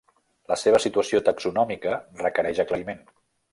La seva situació taxonòmica requereix aclariment.